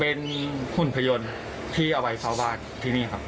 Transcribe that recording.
เป็นหุ่นพยนต์ที่เอาไว้เฝ้าบ้านที่นี่ครับ